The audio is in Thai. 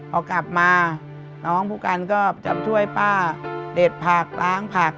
พอกลับมาน้องผู้กันก็จะช่วยป้าเด็ดผักล้างผัก